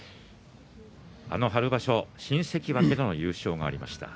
あの春場所新関脇の優勝がありました。